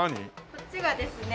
こっちがですね